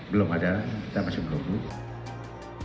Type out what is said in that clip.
belum ada kita masih menunggu